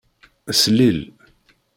Slil.